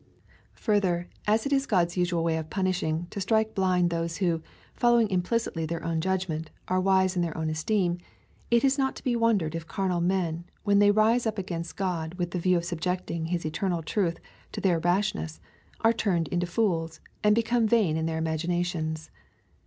Farther, as it is God's usual way of punishing, to strike blind those who, following implicitly their own judgment, are wise in their own esteem, it is not to be wondered if carnal men, when they rise up against God, with the view of subjecting His eternal truth to their rashness, are turned into fools, and become vain in their imaginations.